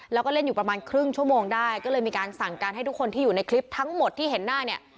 แล้วก็เล่นอยู่ประมาณครึ่งชั่วโมงได้ก็เลยมีการสั่งการให้ทุกคนที่อยู่ในคลิปทั้งหมดที่เห็นหน้าเนี่ย